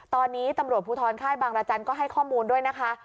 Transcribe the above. ตอนนี้ตำรวจภูทรค่ายบางรจันทร์ก็ให้ข้อมูลด้วยนะคะ